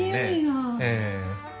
ええ。